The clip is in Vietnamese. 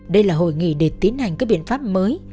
đây là hội nghị để tiến hành các biện pháp mới